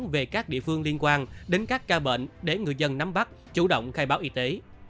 về các địa phương liên quan đến các ca bệnh để người dân nắm bắt chủ động khai báo y tế